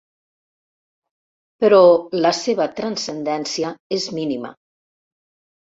Però la seva transcendència és mínima.